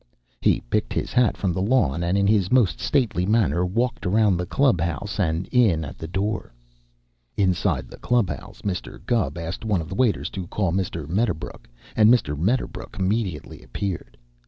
He picked his hat from the lawn, and in his most stately manner walked around the club house and in at the door. Inside the club house, Mr. Gubb asked one of the waiters to call Mr. Medderbrook, and Mr. Medderbrook immediately appeared.